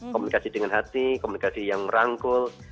komunikasi dengan hati komunikasi yang merangkul